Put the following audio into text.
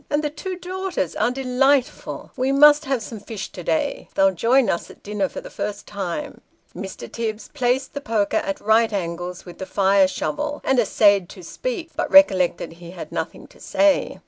"And the two daughters are delightful. We must have some fish to day ; they'll join us at dinner for the first time." Mr. Tibbs placed the poker at right angles with the fire shovel, and essayed to speak, but recollected he had nothing to say.